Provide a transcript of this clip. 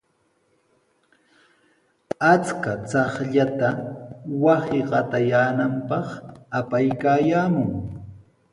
Achka chaqllata wasi qatayaananpaq apaykaayaamun.